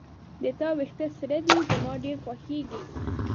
د تا وېښته سره ده زما ډیر خوښیږي